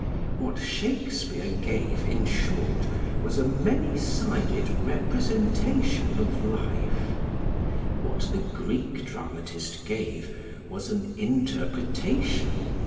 What Shakespeare gave, in short, was a many sided representation of life; what the Greek dramatist gave was an interpretation.